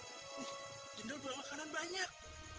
jendol belum makanan banyak